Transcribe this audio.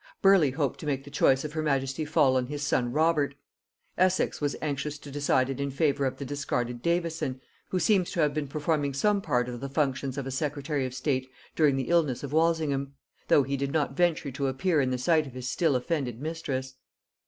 Burleigh hoped to make the choice of her majesty fall on his son Robert; Essex was anxious to decide it in favor of the discarded Davison, who seems to have been performing some part of the functions of a secretary of state during the illness of Walsingham, though he did not venture to appear in the sight of his still offended mistress.